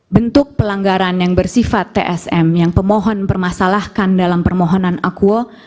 bentuk pelanggaran yang bersifat tsm yang pemohon permasalahkan dalam permohonan akuo